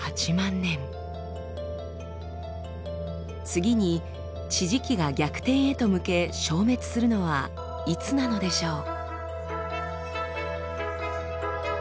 次に地磁気が逆転へと向け消滅するのはいつなのでしょう？